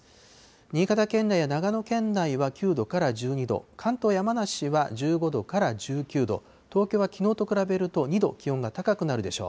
新潟県内や長野県内は９度から１２度、関東、山梨は１５度から１９度、東京はきのうと比べると２度気温が高くなるでしょう。